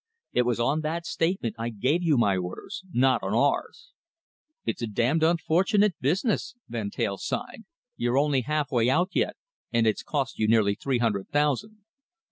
It was on that statement I gave you my orders, not on ours." "It's a damned unfortunate business!" Van Teyl sighed. "You're only half way out yet, and it's cost you nearly three hundred thousand."